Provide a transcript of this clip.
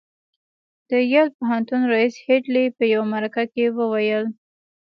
د يل پوهنتون رييس هيډلي په يوه مرکه کې وويل.